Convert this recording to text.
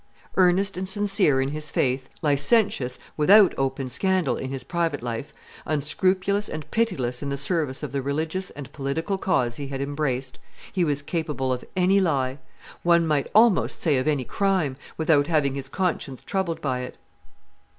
Earnest and sincere in his faith, licentious without open scandal in his private life, unscrupulous and pitiless in the service of the religious and political cause he had embraced, he was capable of any lie, one might almost say of any crime, without having his conscience troubled by it.